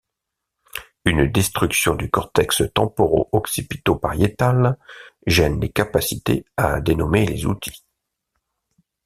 Une destruction du cortex temporo-occipito-pariétal gêne les capacités à dénommer les outils.